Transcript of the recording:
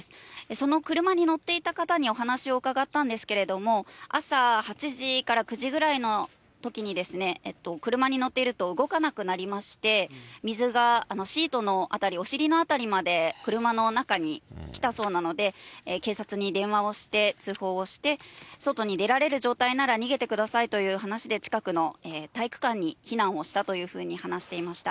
その車に乗っていた方にお話を伺ったんですけれども、朝８時から９時ぐらいのときに、車に乗っていると動かなくなりまして、水がシートの辺り、お尻の辺りまで車の中に来たそうなので、警察に電話をして通報をして、外に出られる状態なら逃げてくださいという話で近くの体育館に避難をしたというふうに話していました。